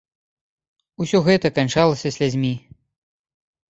Усё гэта канчалася слязьмі.